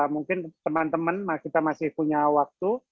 mungkin teman teman kita masih punya waktu